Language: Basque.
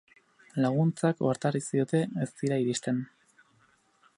Laguntzak, ohartarazi dute, ez dira iristen.